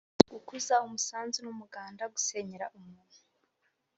gukuza umusanzu n’umuganda: gusenyera umuntu